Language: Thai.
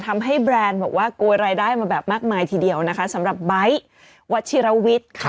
ทำให้แบรนด์บอกว่ากลัวรายได้มาแบบมากมายทีเดียวนะคะสำหรับใบ๊ควัชิรวิตค่ะ